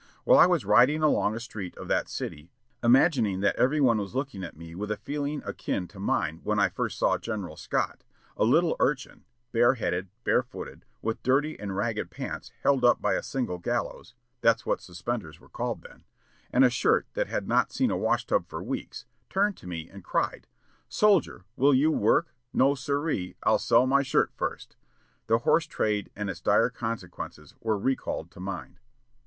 While I was riding along a street of that city, imagining that every one was looking at me with a feeling akin to mine when I first saw General Scott, a little urchin, bareheaded, barefooted, with dirty and ragged pants held up by a single gallows that's what suspenders were called then and a shirt that had not seen a washtub for weeks, turned to me and cried: 'Soldier, will you work? No sir ee; I'll sell my shirt first!' The horse trade and its dire consequences were recalled to mind.